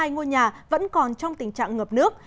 ba trăm sáu mươi hai ngôi nhà vẫn còn trong tình trạng ngập nước